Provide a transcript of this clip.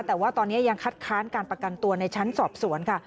แต่ว่าตอนนี้ยังคัดค้านการประกันตัวในชั้นสอบสวนค่ะ